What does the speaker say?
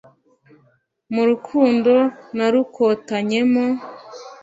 Mu rukubo narukotanyemo